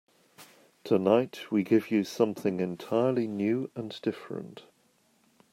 Tonight we give you something entirely new and different.